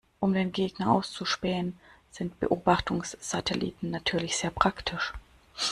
Um den Gegner auszuspähen, sind Beobachtungssatelliten natürlich sehr praktisch.